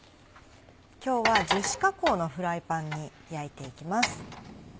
今日は樹脂加工のフライパンに焼いていきます。